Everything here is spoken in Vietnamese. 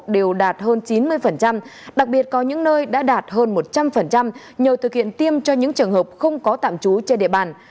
đều đạt hơn chín mươi đặc biệt có những nơi đã đạt hơn một trăm linh nhờ thực hiện tiêm cho những trường hợp không có tạm trú trên địa bàn